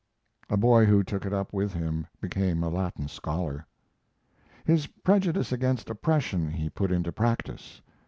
A boy who took it up with him became a Latin scholar. His prejudice against oppression he put into practice.